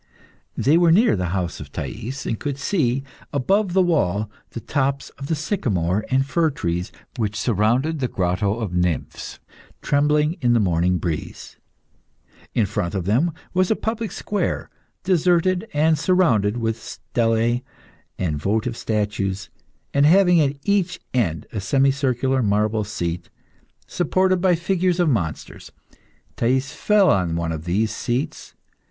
They were near the house of Thais, and could see, above the wall, the tops of the sycamore and fir trees, which surrounded the Grotto of Nymphs, tremble in the morning breeze. In front of them was a public square, deserted, and surrounded with steles and votive statues, and having at each end a semicircular marble seat, supported by figures of monsters. Thais fell on one of these seats.